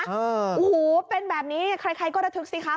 โอ้โหเป็นแบบนี้ใครก็ระทึกสิคะ